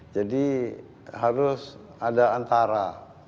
jadi harus ada antara